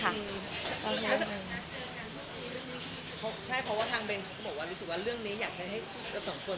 ใช่เพราะว่าทางเบนเขาก็บอกว่ารู้สึกว่าเรื่องนี้อยากใช้ให้กับสองคน